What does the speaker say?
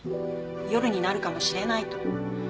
夜になるかもしれないと。